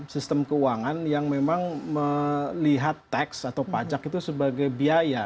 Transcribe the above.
sistem keuangan yang memang melihat teks atau pajak itu sebagai biaya